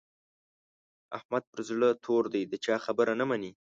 احمد پر زړه تور دی؛ د چا خبره نه مني.